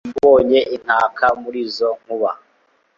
nawubonye inkaka muri izo nkuba